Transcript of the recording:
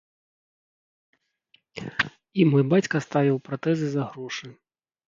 І мой бацька ставіў пратэзы за грошы.